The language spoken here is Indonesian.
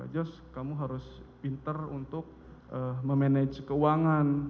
jos kamu harus pinter untuk memanage keuangan